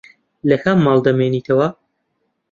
لە کام ماڵ دەمێنیتەوە؟